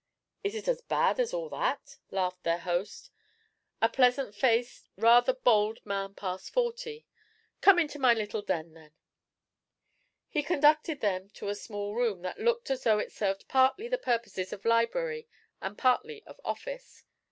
"Is it as bad as all that?" laughed their host, I a pleasant faced, rather bald man past forty. "Come into my little den, then." He conducted them to a small room that looked as though it served partly the purposes of library and partly of office.